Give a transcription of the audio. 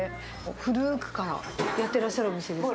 古くからやってらっしゃるお店ですか？